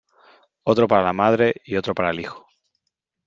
otro para la madre y otro para el hijo .